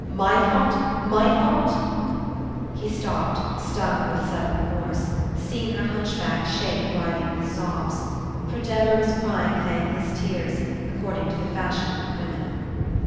My fault? My fault?" He stopped, stung with a sudden remorse, seeing her hunchback shape writhing with sobs. For Deborah was crying thankless tears, according to the fashion of women.